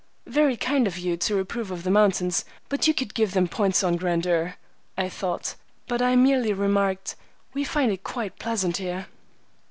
"Very kind of you to approve of the mountains, but you could give them points on grandeur," I thought; but I merely remarked, "We find it quite pleasant here."